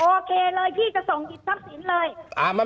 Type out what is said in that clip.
โอเคเลยพี่จะส่งหยิบทรัพย์สินเลย